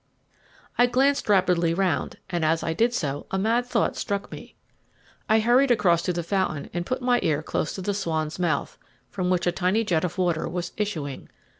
I glanced rapidly round, and as I did so a mad thought struck me. I hurried across to the fountain and put my ear close to the swan's mouth, from which a tiny jet of water was issuing.